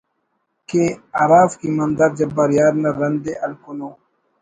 کہ ہرافک ایماندار جبار یار نا رند ءِ ہلکنو